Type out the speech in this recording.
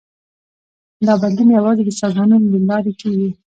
دا بدلون یوازې د سازمانونو له لارې کېږي.